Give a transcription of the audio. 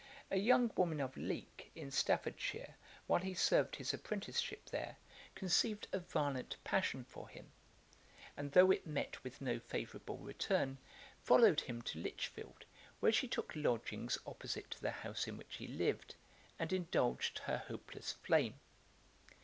A young woman of Leek, in Staffordshire, while he served his apprenticeship there, conceived a violent passion for him; and though it met with no favourable return, followed him to Lichfield, where she took lodgings opposite to the house in which he lived, and indulged her hopeless flame.